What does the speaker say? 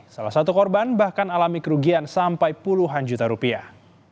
salah satu korban bahkan alami kerugian sampai puluhan juta rupiah